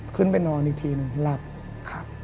ขึ้นไปนอนอีกทีหนึ่งหลับครับ